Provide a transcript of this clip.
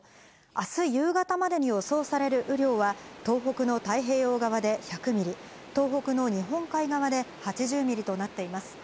あす夕方までに予想される雨量は、東北の太平洋側で１００ミリ、東北の日本海側で８０ミリとなっています。